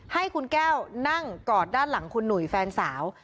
ให้คุณแก้วนั่งกอดด้านหลังคุณหนุ่ยแฟนสาว